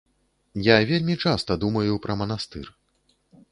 Я вельмі часта думаю пра манастыр.